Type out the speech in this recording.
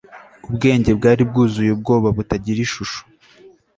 Ubwenge bwari bwuzuye ubwoba butagira ishusho